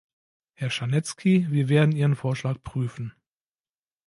Herr Czarnecki, wir werden Ihren Vorschlag prüfen.